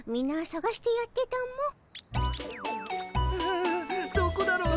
んどこだろう？